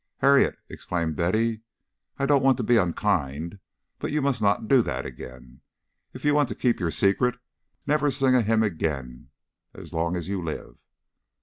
"Harriet!" exclaimed Betty. "I don't want to be unkind, but you must not do that again. If you want to keep your secret, never sing a hymn again as long as you live."